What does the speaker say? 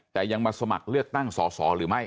แต่ยังมาสมัครเลือกตั้งสอสอหรือไม่